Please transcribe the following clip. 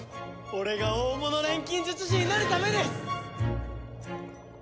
俺が大物錬金術師になるためです！